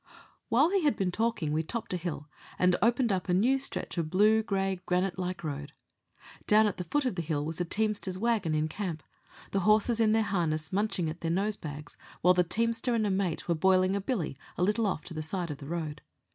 While he had been talking we topped a hill, and opened up a new stretch of blue grey granite like road. Down at the foot of the hill was a teamster's waggon in camp; the horses in their harness munching at their nose bags, while the teamster and a mate were boiling a billy a little off to the side of the road.